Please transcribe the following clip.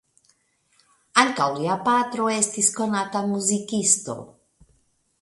Ankaŭ lia patro estis konata muzikisto.